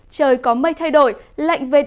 trời có mây thay đổi lạnh vệt